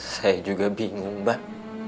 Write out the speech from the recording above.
saya juga bingung mbak